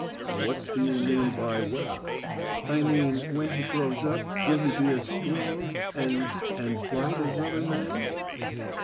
"What do you mean by well?" "I mean, when he grows up will he be as strong and and bright as other men?"